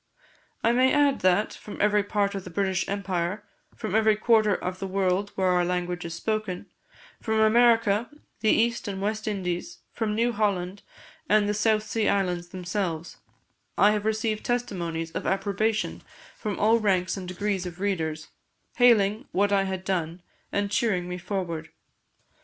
I may add that, from every part of the British empire, from every quarter of the world where our language is spoken from America, the East and West Indies, from New Holland, and the South Sea Islands themselves I have received testimonies of approbation from all ranks and degrees of readers, hailing what I had done, and cheering me forward.